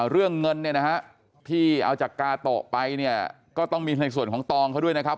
เรื่องเงินที่เอาจากกาโตไปก็ต้องมีในส่วนของตองเขาด้วยนะครับ